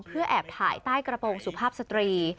เพื่อแอบถ่ายใต้กระโปรงสุภาพสตรี